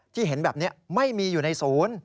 เห็นแบบนี้ไม่มีอยู่ในศูนย์